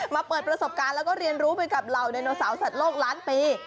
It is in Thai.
เปิดประสบการณ์แล้วก็เรียนรู้ไปกับเหล่าไดโนเสาร์สัตว์โลกล้านปี